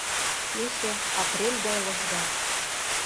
Кече апрель гай лыжга.